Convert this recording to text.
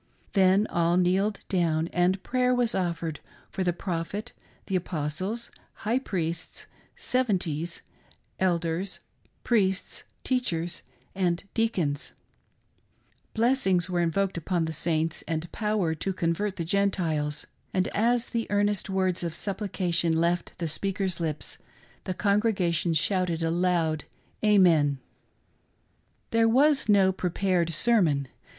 Then all kneeled down, and prayer was offered for the Prophet, the apostles, high priests, "seven ties," elders, priests, teachers, and deacons ; blessings were invoked upon the Saints, and power to convert the Gentiles ; and as the earnest words of supplication left the speaker's lips, the congregation shouted a loud "Amen." There was no prepared sermon.